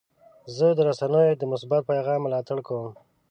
زه د رسنیو د مثبت پیغام ملاتړ کوم.